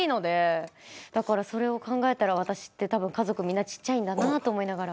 だからそれを考えたら私ってたぶん家族みんなちっちゃいんだなと思いながら。